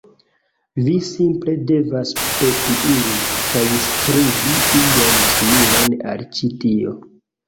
Vi simple devas pepi ilin, kaj skribi ion similan al ĉi tio